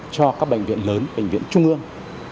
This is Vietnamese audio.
cho các bệnh viện lớn bệnh viện trung ương